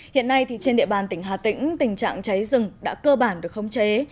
hiện nay trên địa bàn tỉnh hà tĩnh tình trạng cháy rừng đã cơ bản được khống chế